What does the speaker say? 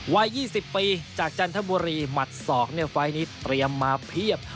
วัย๒๐ปีจากจันทบุรีหมัดศอกเนี่ยไฟล์นี้เตรียมมาเพียบ